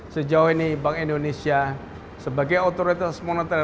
sejauh ini bank indonesia sebagai otoritas moneter